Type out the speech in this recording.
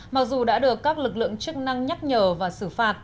mặc dù đã được các lực lượng chức năng nhắc nhở và xử phạt